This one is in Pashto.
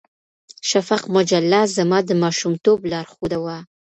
شفق مجله زما د ماشومتوب لارښوده وه.